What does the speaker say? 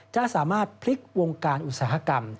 จะสามารถพลิกวงการอุตสาหกรรม